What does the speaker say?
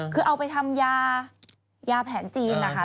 คือเอาไปทำยายาแผนจีนนะคะ